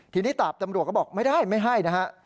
ทีนี้ตาบตำรวจก็บอกไม่ได้ไม่ให้นะฮะ